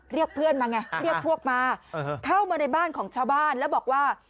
เรียกเพื่อนมาไงเรียกพวกมาเข้ามาในบ้านของชาวบ้านแล้วบอกว่า